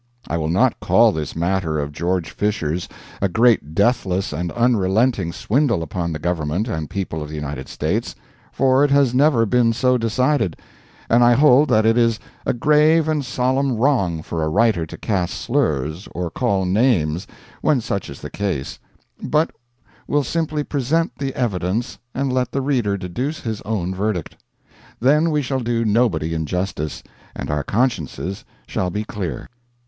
I will not call this matter of George Fisher's a great deathless and unrelenting swindle upon the government and people of the United States for it has never been so decided, and I hold that it is a grave and solemn wrong for a writer to cast slurs or call names when such is the case but will simply present the evidence and let the reader deduce his own verdict. Then we shall do nobody injustice, and our consciences shall be clear.